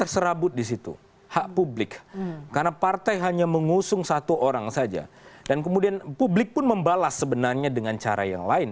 kami akan segera kembali